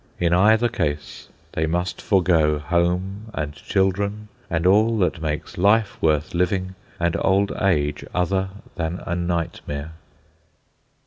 In either case they must forego home and children and all that makes life worth living and old age other than a nightmare.